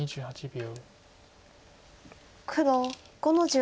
２８秒。